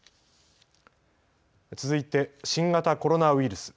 続いて新型コロナウイルス。